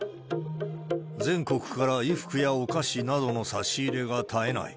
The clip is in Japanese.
全国から衣服やお菓子などの差し入れが絶えない。